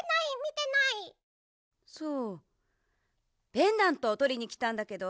ペンダントをとりにきたんだけど。